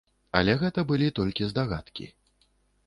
Але гэта былі толькі здагадкі.